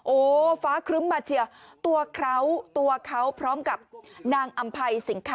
โอ้ฟ้าครึ้มมาเชียร์ตัวเขาตัวเขาพร้อมกับนางอำภัยสิงคะ